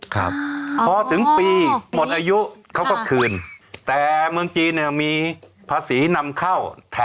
ครับพอถึงปีหมดอายุเขาก็คืนแต่เมืองจีนเนี่ยมีภาษีนำเข้า